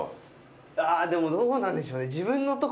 でもどうなんでしょうね？